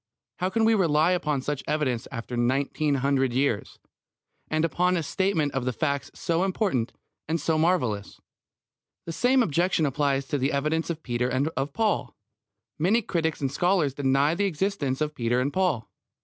How can we rely upon such evidence after nineteen hundred years, and upon a statement of facts so important and so marvellous? The same objection applies to the evidence of Peter and of Paul. Many critics and scholars deny the existence of Peter and Paul.